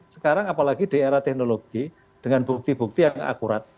sekarang apalagi di era teknologi dengan bukti bukti yang akurat